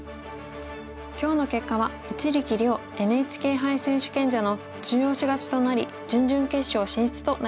今日の結果は一力遼ＮＨＫ杯選手権者の中押し勝ちとなり準々決勝進出となりました。